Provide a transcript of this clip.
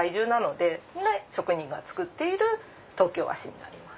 で職人が作っている東京和紙になります。